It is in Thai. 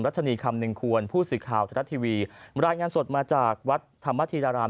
ชนีคำหนึ่งควรผู้สื่อข่าวธนัดทีวีรายงานสดมาจากวัดธรรมธีราราม